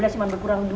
cuma berkurang dua